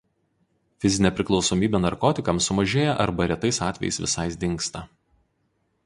Fizinė priklausomybė narkotikams sumažėja arba retais atvejais visai dingsta.